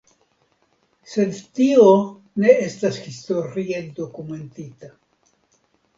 Sed tio ne estas historie dokumentita.